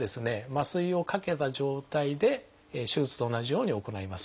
麻酔をかけた状態で手術と同じように行います。